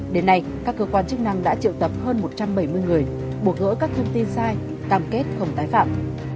đến nay các cơ quan chức năng đã triệu tập hơn một trăm bảy mươi người buộc gỡ các thông tin sai cam kết không tái phạm